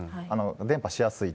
伝ぱしやすい。